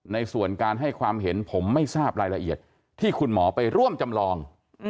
ในส่วนการให้ความเห็นผมไม่ทราบรายละเอียดที่คุณหมอไปร่วมจำลอง